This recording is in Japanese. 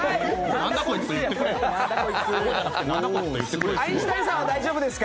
何だこいつ！って言ってくれよ。